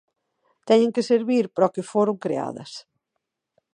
Teñen que servir para o que foron creadas.